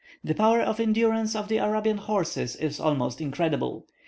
The power of endurance of the Arabian horses is almost incredible.